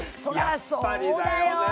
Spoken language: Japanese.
やっぱりだよね